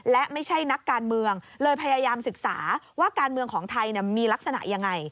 และไม่ใช่นักการเมืองเลยพยายามศึกษาว่าการเมืองของไทยมีลักษณะยังไง